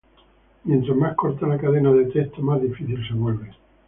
Mientras más corta la cadena de texto, más difícil se vuelve.